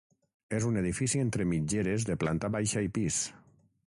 És un edifici entre mitgeres de planta baixa i pis.